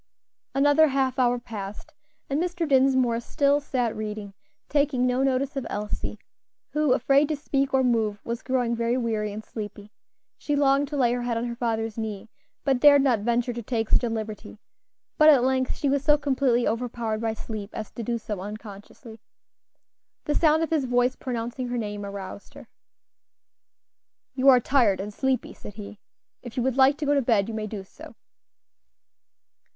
Another half hour passed, and Mr. Dinsmore still sat reading, taking no notice of Elsie, who, afraid to speak or move, was growing very weary and sleepy. She longed to lay her head on her father's knee, but dared not venture to take such a liberty; but at length she was so completely overpowered by sleep as to do so unconsciously. The sound of his voice pronouncing her name aroused her. "You are tired and sleepy," said he; "if you would like to go to bed you may do so."